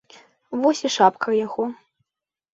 Вось і шапка яго.